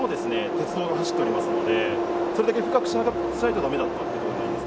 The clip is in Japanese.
鉄道が走っておりますのでそれだけ深くしないとダメだったっていう事になります。